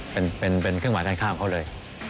เป็นเครื่องหมายการข้ามเขาเลย